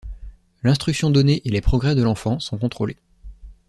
L'instruction donnée et les progrès de l'enfant sont contrôlés.